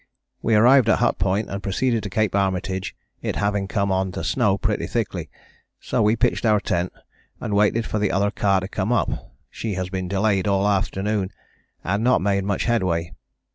We arrived at Hut Point and proceeded to Cape Armitage it having come on to snow pretty thickly, so we pitched our tent and waited for the other car to come up, she has been delayed all the afternoon and not made much headway.